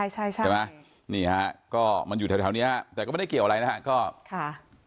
ใช่มันอยู่แถวนี้แต่ก็ไม่ได้เกี่ยวอะไรครับ